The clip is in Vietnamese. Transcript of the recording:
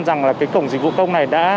rằng là cổng dịch vụ công này đã